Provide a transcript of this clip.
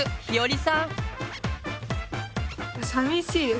さみしいです